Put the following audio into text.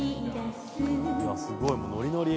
すごい！もうノリノリ。